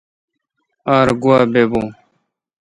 ار گوا بیبو۔